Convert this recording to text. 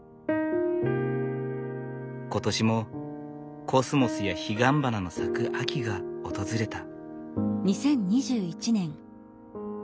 今年もコスモスやヒガンバナの咲く秋が訪れた。